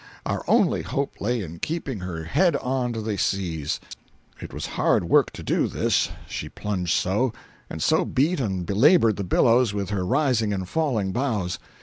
Our only hope lay in keeping her head on to the seas. It was hard work to do this, she plunged so, and so beat and belabored the billows with her rising and falling bows.